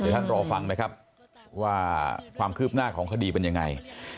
เดี๋ยวท่านรอฟังนะครับว่าความคืบหน้าของคดีเป็นยังไง